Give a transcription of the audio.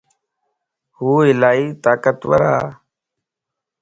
هوالائي طاقتور ا